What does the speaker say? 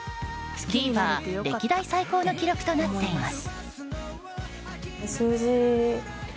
ＴＶｅｒ歴代最高の記録となっています。